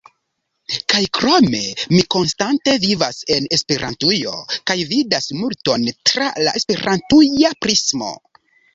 Kaj krome, mi konstante vivas en Esperantujo kaj vidas multon tra la esperantuja prismo.